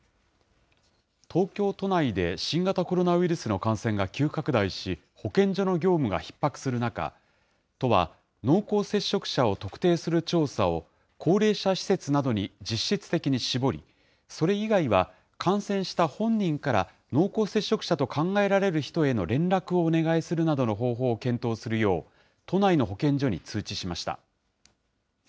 東京都内で新型コロナウイルスの感染が急拡大し、保健所の業務がひっ迫する中、都は濃厚接触者を特定する調査を、高齢者施設などに実質的に絞り、それ以外は感染した本人から濃厚接触者と考えられる人への連絡をお願いするなどの方法を検討するよう、都内の保健所に通知しました。